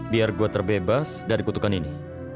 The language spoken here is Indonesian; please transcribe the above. biar gue terbebas dari kutukan ini